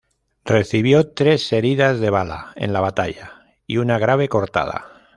Recibió tres heridas de bala en la batalla y una grave cortada.